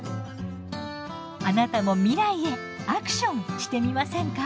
あなたも未来へ「アクション」してみませんか？